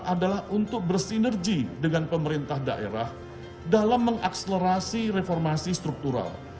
adalah untuk bersinergi dengan pemerintah daerah dalam mengakselerasi reformasi struktural